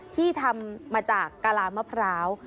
ที่ทำมาจากกะลามะพร้าว